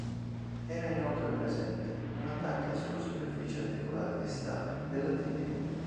Era inoltre presente una tacca sulla superficie articolare distale della tibia.